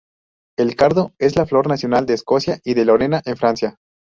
El cardo es la flor nacional de Escocia y de Lorena en Francia.